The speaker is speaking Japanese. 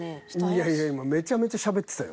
いやいや今めちゃめちゃしゃべってたよ。